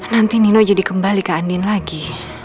nanti nino jadi kembali ke andin lagi